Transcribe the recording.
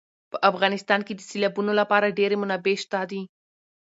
په افغانستان کې د سیلابونو لپاره ډېرې منابع شته دي.